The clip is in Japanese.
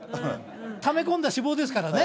ため込んだ脂肪ですからね。